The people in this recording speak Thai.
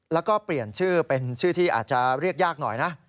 แล้วก็เปลี่ยนชื่อเป็นชื่อที่อาจจะเรียกยากหน่อยนะ